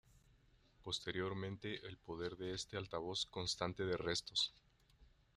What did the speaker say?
Posteriormente el poder de este altavoz constante de restos.